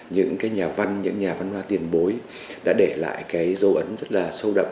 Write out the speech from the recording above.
những nhà văn những nhà văn hoa tiền bối đã để lại dấu ấn rất sâu đậm